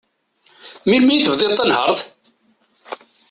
Melmi i tebdiḍ tanhert?